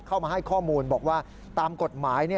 เข้ามาให้ข้อมูลบอกว่าตามกฎหมาย